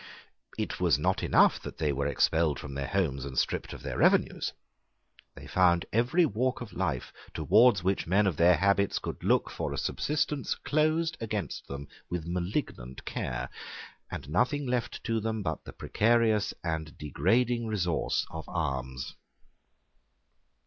It was not enough that they were expelled from their homes and stripped of their revenues. They found every walk of life towards which men of their habits could look for a subsistence closed against them with malignant care, and nothing left to them but the precarious and degrading resource of alms.